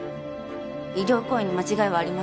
医療行為に間違いはありません。